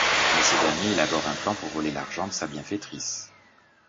Mais ce dernier élabore un plan pour voler l'argent de sa bienfaitrice.